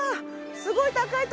すごい高い所だ